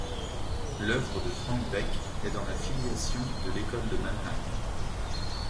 L'œuvre de Franz Beck est dans la filiation de l'école de Mannheim.